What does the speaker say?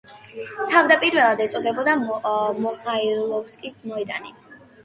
თავდაპირველად ეწოდებოდა მიხაილოვსკის მოედანი.